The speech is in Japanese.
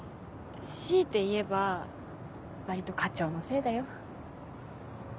強いて言えば割と課長のせいだよ。